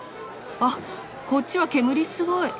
あっこっちは煙すごい！